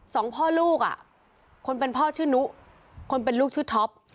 สองพ่อลูกอ่ะคนเป็นพ่อชื่อนุคนเป็นลูกชื่อท็อป